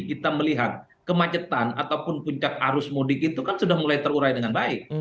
kita melihat kemacetan ataupun puncak arus mudik itu kan sudah mulai terurai dengan baik